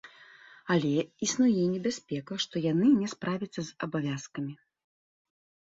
Але існуе небяспека, што яны не справяцца з абавязкамі.